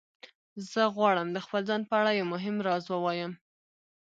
زه غواړم د خپل ځان په اړه یو مهم راز ووایم